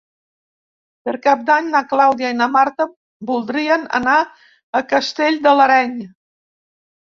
Per Cap d'Any na Clàudia i na Marta voldrien anar a Castell de l'Areny.